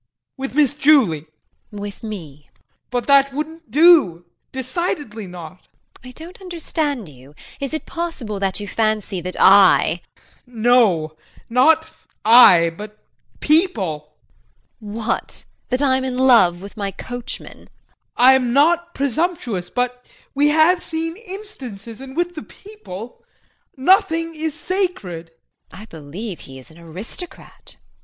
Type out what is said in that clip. ] JEAN. With Miss Julie? JULIE. With me. JEAN. But that wouldn't do decidedly not. JULIE. I don't understand you. Is it possible that you fancy that I JEAN. No not I, but people. JULIE. What? That I'm in love with my coachman? JEAN. I am not presumptuous, but we have seen instances and with the people nothing is sacred. JULIE. I believe he is an aristocrat! JEAN.